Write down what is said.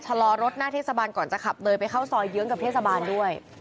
ชะลอรถหน้าเทศบาลก่อนจะขับเลยไปเข้าซอยเยื้องกับเทศบาลด้วย